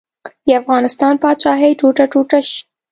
د افغانستان پاچاهي ټوټه ټوټه شي.